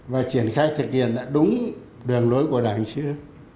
và triển khai thực hiện đã đúng đường lối của đảng chưa